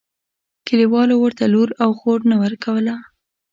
کلیوالو ورته لور او خور نه ورکوله.